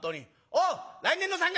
おう来年の三月！」。